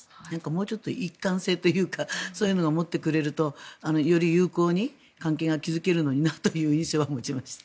もうちょっと一貫性というかそういうのを持ってくれるとより友好に関係が築けるのになという印象は持ちました。